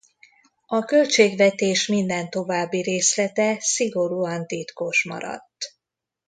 A költségvetés minden további részlete szigorúan titkos maradt.